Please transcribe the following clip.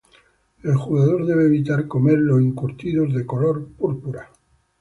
El jugador debe evitar comer los encurtidos de color púrpura.